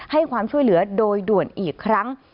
ให้ความช่วยเหลือโดยด่วนอีกครั้ง